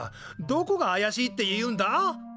どこがあやしいっていうんだ？